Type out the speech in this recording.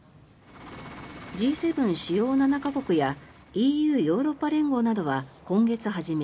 Ｇ７・主要７か国やＥＵ・ヨーロッパ連合は今月初め